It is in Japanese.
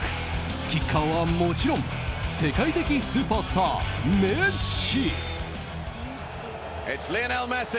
キッカーは、もちろん世界的スーパースター、メッシ。